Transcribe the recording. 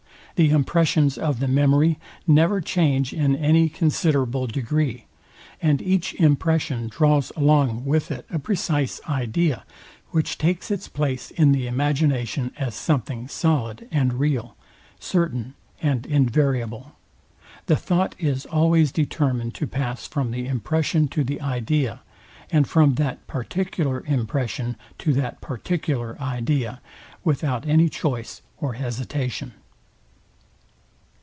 The impressions of the memory never change in any considerable degree; and each impression draws along with it a precise idea, which takes its place in the imagination as something solid and real, certain and invariable. The thought is always determined to pass from the impression to the idea, and from that particular impression to that particular idea, without any choice or hesitation.